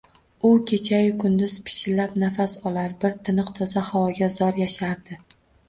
U kechayu kunduz pishillab nafas olar, bir tiniq toza havoga zor yashardi.